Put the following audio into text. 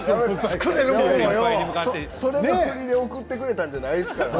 その振りで送ってくれたんじゃないから。